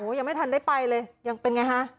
ยังไม่ทันได้ไปเลยยังเป็นไงฮะ